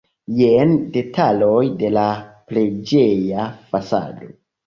Jen detaloj de la preĝeja fasado.